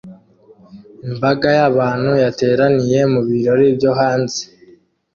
Imbaga y'abantu yateraniye mu birori byo hanze